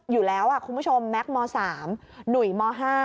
อยู่แล้วคุณผู้ชมแม็กซ์ม๓หนุ่ยม๕